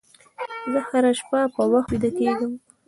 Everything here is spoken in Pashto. زه هره شپه په وخت ویده کېږم.